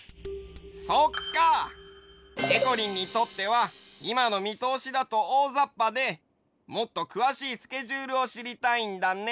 そっか！でこりんにとってはいまのみとおしだとおおざっぱでもっとくわしいスケジュールをしりたいんだね。